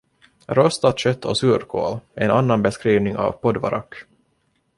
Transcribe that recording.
Rostat kött och surkål är en annan beskrivning av podvarak.